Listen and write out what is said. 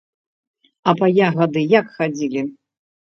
А па ягады як хадзілі?